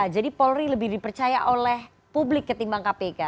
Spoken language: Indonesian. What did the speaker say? jadi polri lebih dipercaya oleh publik ketimbang kpk